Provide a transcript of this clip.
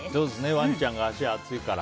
ワンちゃんが足が熱いから。